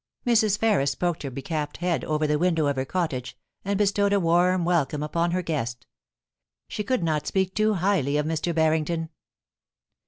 Mrs. Ferris poked her becapped head from the window of her cottage, and bestowed a warm welcome upon her guest. She could not speak too highly of Mr. Barrington.